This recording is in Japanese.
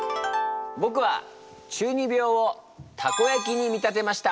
僕は中二病をたこやきに見立てました。